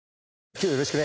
今日はよろしくね。